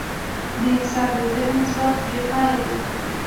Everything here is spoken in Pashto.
د انسان د ذهن ځواک بېپایه دی.